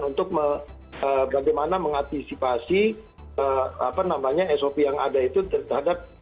untuk bagaimana mengantisipasi sop yang ada itu terhadap